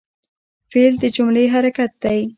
فعل د جملې حرکت دئ.